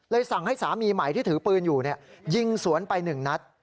สั่งให้สามีใหม่ที่ถือปืนอยู่ยิงสวนไป๑นัด